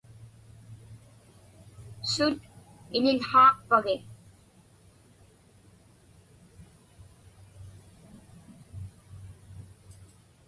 Sut iḷił̣haaqpagi?